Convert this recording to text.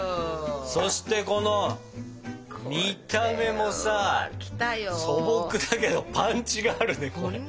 そしてこの見た目もさ素朴だけどパンチがあるねこれ。